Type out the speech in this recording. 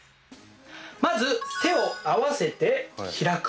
まず手を合わせて開く。